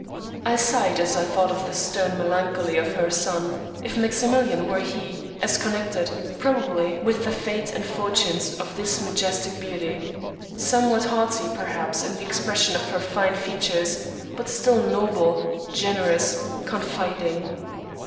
I sighed as I thought of the stern melancholy of her son, if Maximilian were he, as connected, probably, with the fate and fortunes of this majestic beauty; somewhat haughty, perhaps, in the expression of her fine features, but still noble — generous — confiding.